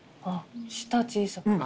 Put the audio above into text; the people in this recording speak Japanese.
下小さく。